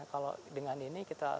kalau dengan ini kita